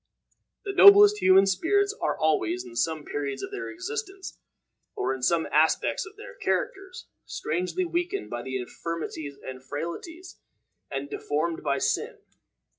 The noblest human spirits are always, in some periods of their existence, or in some aspects of their characters, strangely weakened by infirmities and frailties, and deformed by sin.